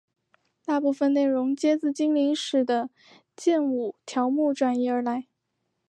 大部分内容皆自精灵使的剑舞条目转移而来。